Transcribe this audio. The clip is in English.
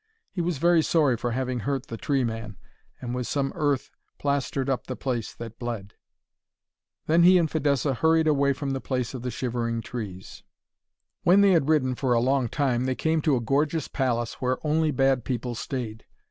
He was very sorry for having hurt the tree man, and with some earth plastered up the place that bled. Then he and Fidessa hurried away from the place of the shivering trees. When they had ridden for a long time they came to a gorgeous palace where only bad people stayed.